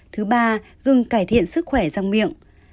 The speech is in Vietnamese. thứ ba gừng cải thiện sức khỏe răng miệng